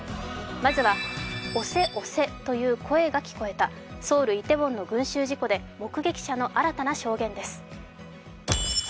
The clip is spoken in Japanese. まずは「押せ押せ」という声が聞こえたソウル・イテウォンの群集事故で目撃者の新たな証言です。